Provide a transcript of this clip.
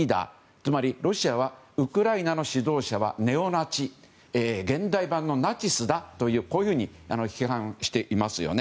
つまりロシアはウクライナの指導者はネオナチ現代版のナチスだというふうに批判していますよね。